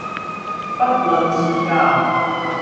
不吝賜教